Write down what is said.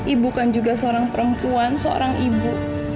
ibu kan juga seorang perempuan seorang ibu